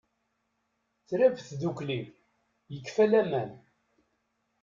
Trab tdukli, yekfa laman.